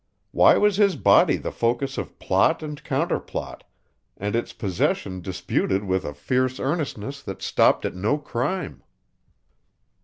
Why was his body the focus of plot and counterplot, and its possession disputed with a fierce earnestness that stopped at no crime?